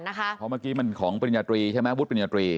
เพราะเมื่อกี้มันของปริญญาตรีใช่ไหมวุฒิปริญญาตรี